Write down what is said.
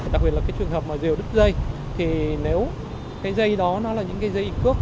đặc biệt là cái trường hợp mà diều đứt dây thì nếu cái dây đó nó là những cái dây cước